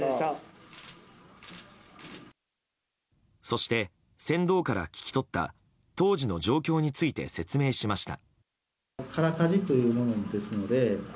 そして、船頭から聞き取った当時の状況について説明しました。